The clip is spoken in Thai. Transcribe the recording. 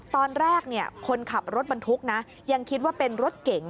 ตอนแรกคนขับรถบรรทุกนะยังคิดว่าเป็นรถเก๋ง